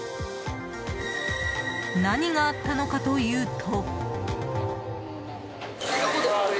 何があったのかというと。